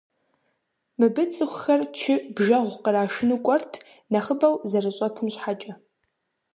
Мыбы цӏыхухэр чы, бжэгъу кърашыну кӏуэрт, нэхъыбэу зэрыщӏэтым щхьэкӏэ.